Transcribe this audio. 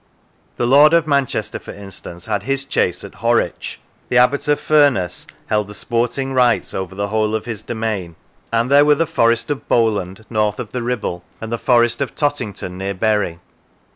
The lord of Man chester, for instance, had his chase at Horwich; the abbot of Furness held the sporting rights over the whole of his domain, and there were the Forest of Bowland, north of the Ribble, and the Forest of Tottington, near Bury.